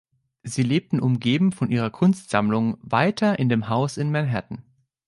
Sie lebten umgeben von ihrer Kunstsammlug weiter in dem Haus in Manhatten.